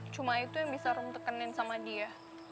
cuma itu yang bisa rom tekenin sama dia